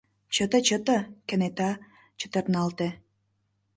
Чыте-чыте, - кенета чытырналте.